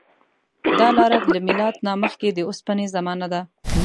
دا لاره له میلاد نه مخکې د اوسپنې زمانې ده.